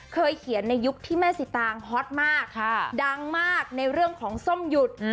เคยเขียนในยุคที่แม่สิตางฮอตมากดังมากในเรื่องของส้มหยุด